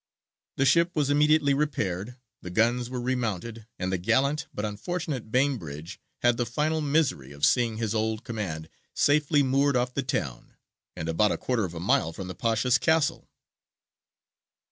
The ship was immediately repaired, the guns were re mounted, and the gallant but unfortunate Bainbridge had the final misery of seeing his old command safely moored off the town, and about a quarter of a mile from the Pasha's castle.